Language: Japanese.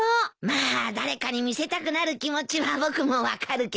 まあ誰かに見せたくなる気持ちは僕も分かるけどね。